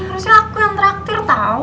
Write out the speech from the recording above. harusnya aku yang terakhir tau